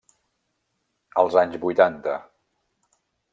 Als anys vuitanta.